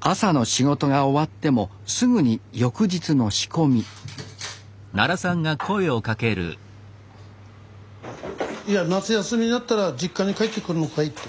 朝の仕事が終わってもすぐに翌日の仕込みいや夏休みになったら実家に帰ってくるのかいって。